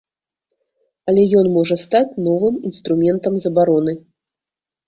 Але ён можа стаць новым інструментам забароны.